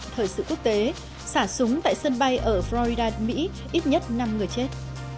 thời sự quốc tế xả súng tại sân bay ở florida mỹ ít nhất năm người chết